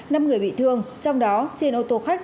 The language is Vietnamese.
năm người bị thương trong đó trên ô tô khách